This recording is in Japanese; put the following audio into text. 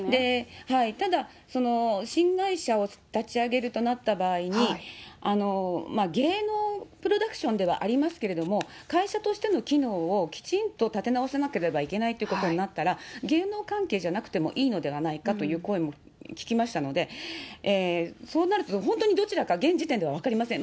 ただ、新会社を立ち上げるとなった場合に、芸能プロダクションではありますけれども、会社としての機能をきちんと立て直さなければいけないとなったら、芸能関係じゃなくてもいいのではないかという声も聞きましたので、そうなると、本当にどちらか、現時点では分かりません。